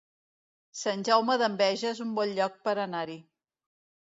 Sant Jaume d'Enveja es un bon lloc per anar-hi